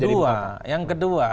yang kedua yang kedua